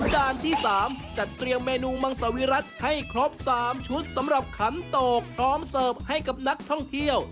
ด้านที่๓จัดเตรียมเมนูมังสวิรัติให้ครบ๓ชุดสำหรับขันโตกพร้อมเสิร์ฟให้กับนักท่องเที่ยว